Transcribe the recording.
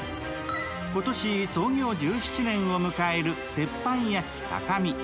今年創業１７年を迎える鉄板焼き高見。